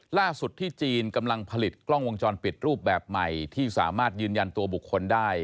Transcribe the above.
ล่าสุดที่จีนกำลังผลิตกล้องวงจรปิดรูปแบบใหม่ที่สามารถยืนยันตัวบุคคลได้